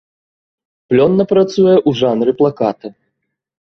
Плённа працуе ў жанры плаката.